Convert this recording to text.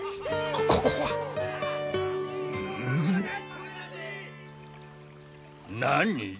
ここは。何？